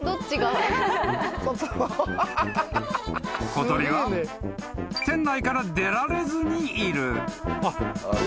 ［小鳥は店内から出られずにいる］